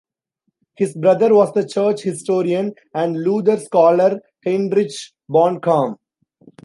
His brother was the church historian and Luther scholar Heinrich Bornkamm.